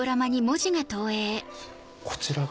こちらが。